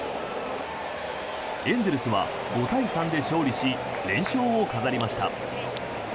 エンゼルスは５対３で勝利し連勝を飾りました。